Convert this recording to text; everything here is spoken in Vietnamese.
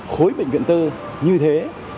khối bệnh viện tư như thế